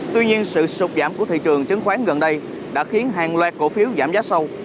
tuy nhiên sự sụp giảm của thị trường chứng khoán gần đây đã khiến hàng loạt cổ phiếu giảm giá sâu